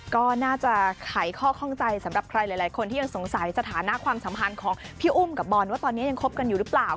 ก็น่าจะไขข้อข้องใจสำหรับใครหลายคนที่ยังสงสัยสถานะความสัมพันธ์ของพี่อุ้มกับบอลว่าตอนนี้ยังคบกันอยู่หรือเปล่า